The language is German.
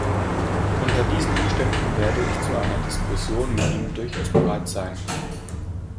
Unter diesen Umständen werde ich zu einer Diskussion mit ihm durchaus bereit sein.